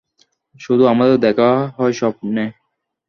শুধু আমাদের দেখা হয় স্বপ্নে।